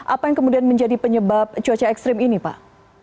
apa yang kemudian menjadi penyebab cuaca ekstrim ini pak